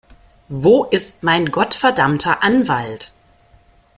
Wo ist mein gottverdammter Anwalt?